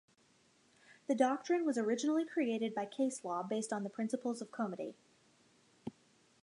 The doctrine was originally created by case law based on the principles of comity.